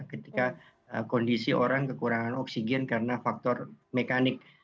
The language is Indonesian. ketika kondisi orang kekurangan oksigen karena faktor mekanik